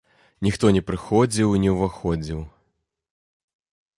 Ніхто не прыходзіў і не ўваходзіў.